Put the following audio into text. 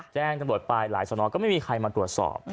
แจ้งทะโดดไปหลายส่วนน้อยก็ไม่มีใครมาตรวจสอบ